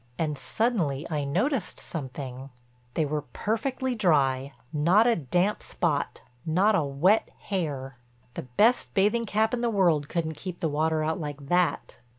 And suddenly I noticed something—they were perfectly dry, not a damp spot, not a wet hair. The best bathing cap in the world couldn't keep the water out like that.